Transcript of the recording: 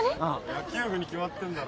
野球部に決まってんだろ。